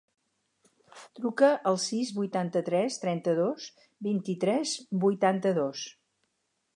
Truca al sis, vuitanta-tres, trenta-dos, vint-i-tres, vuitanta-dos.